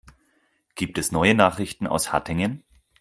Gibt es neue Nachrichten aus Hattingen?